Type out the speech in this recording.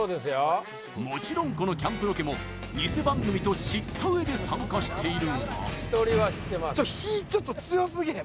もちろんこのキャンプロケもニセ番組と知った上で参加しているが火ちょっと強すぎへん？